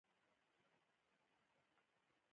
افغانستان یو غرنی هیواد دی او هواره ځمکه کمه لري.